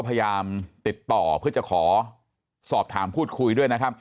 พยายามติดต่อเพื่อจะขอสอบถามพูดคุยด้วยนะครับ